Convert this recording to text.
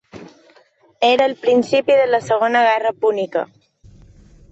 Era el principi de la segona guerra Púnica.